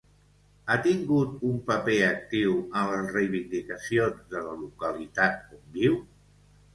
Ha tingut un paper actiu en les reivindicacions de la localitat on viu?